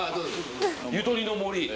ゆとりの森。